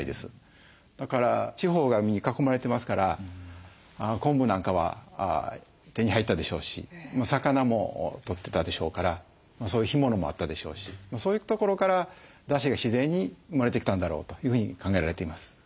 だから四方が海に囲まれてますから昆布なんかは手に入ったでしょうし魚も取ってたでしょうからそういう干物もあったでしょうしそういうところからだしが自然に生まれてきたんだろうというふうに考えられています。